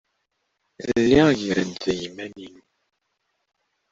Lliɣ ggareɣ-d iman-inu.